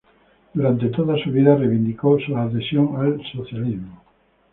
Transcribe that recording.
Durante toda su vida reivindicó su adhesión al socialismo.